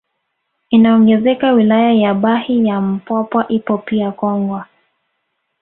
Inaongezeka wilaya ya Bahi na Mpwapwa ipo pia Kongwa